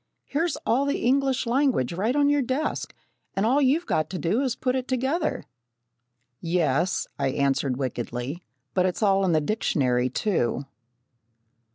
"Here's all the English language right on your desk, and all you've got to do is to put it together." "Yes," I answered wickedly, "but it's all in the dictionary too."